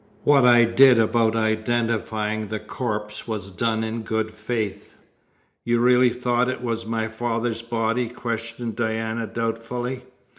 What I did about identifying the corpse was done in good faith." "You really thought it was my father's body?" questioned Diana doubtfully.